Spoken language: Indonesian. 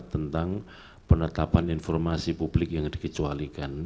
tentang penetapan informasi publik yang dikecualikan